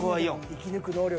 生き抜く能力。